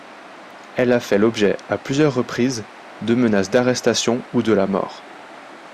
Elle a fait l'objet, à plusieurs reprises, de menaces d'arrestation ou de la mort.